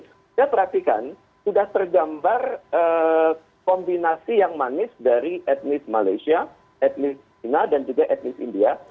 kita perhatikan sudah tergambar kombinasi yang manis dari etnis malaysia etnis china dan juga etnis india